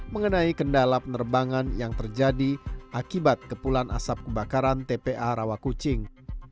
mengenai kendala penerbangan yang terjadi akibat kepulan asap kebakaran tpa rawakucing